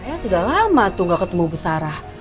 saya sudah lama tuh gak ketemu bu sarah